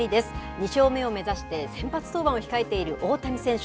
２勝目を目指して先発登板を控えている大谷選手。